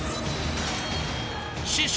［師匠。